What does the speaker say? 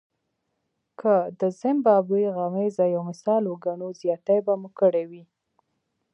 که د زیمبابوې غمیزه یو مثال وګڼو زیاتی به مو کړی وي.